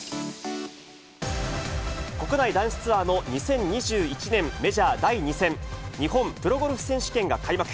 国内男子ツアーの２０２１年メジャー第２戦、日本プロゴルフ選手権が開幕。